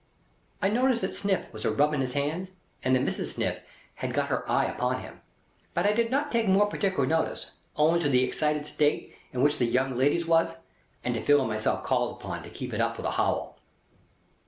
I noticed that Sniff was a rubbing his hands, and that Mrs. Sniff had got her eye upon him. But I did not take more particular notice, owing to the excited state in which the young ladies was, and to feeling myself called upon to keep it up with a howl.